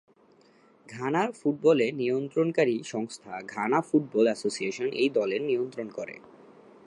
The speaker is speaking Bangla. ঘানার ফুটবলের নিয়ন্ত্রণকারী সংস্থা ঘানা ফুটবল অ্যাসোসিয়েশন এই দলের নিয়ন্ত্রণ করে।